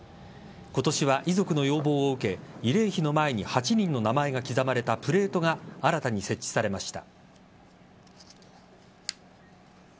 今年は遺族の要望を受け慰霊碑の前に８人の名前が刻まれたプレートが新たに設置されました。